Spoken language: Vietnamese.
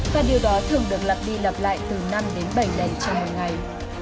và điều đó thường được lặp đi lặp lại từ năm đến bảy đầy trong một mươi ngày